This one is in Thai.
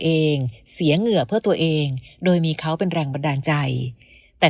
เองเสียเหงื่อเพื่อตัวเองโดยมีเขาเป็นแรงบันดาลใจแต่